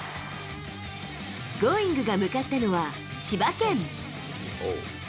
Ｇｏｉｎｇ！が向かったのは、千葉県。